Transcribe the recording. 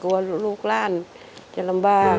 กลัวลูกร้านจะลำบาก